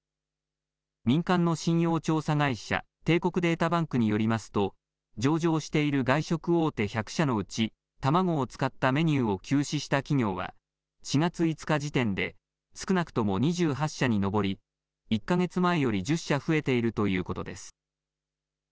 民間の信用調査会社、帝国データバンクによりますと、上場している外食大手、１００社のうち、卵を使ったメニューを休止した企業は、４月５日時点で少なくとも２８社に上り、１か月前より１０社増えているということです。